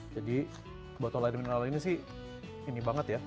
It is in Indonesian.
jadi botol air mineral ini sih ini banget ya